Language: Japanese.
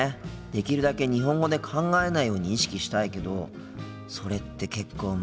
できるだけ日本語で考えないように意識したいけどそれって結構難しいよな。